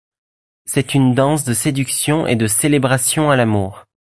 C'est une danse de séduction et de célébration à l'amour.